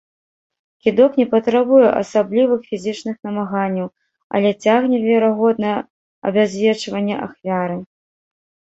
Кідок не патрабуе асаблівых фізічных намаганняў, але цягне верагоднае абязвечванне ахвяры.